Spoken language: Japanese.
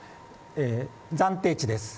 暫定値です。